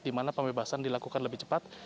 dimana pembebasan dilakukan lebih cepat